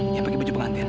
yang pakai baju pengantin